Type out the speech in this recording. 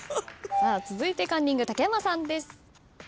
続いてカンニング竹山さんです。